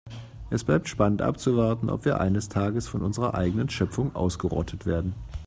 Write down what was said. Es bleibt spannend abzuwarten, ob wir eines Tages von unserer eigenen Schöpfung ausgerottet werden.